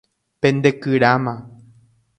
Pendekyráma.